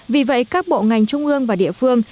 vì vậy các bộ ngành trung ương và địa phương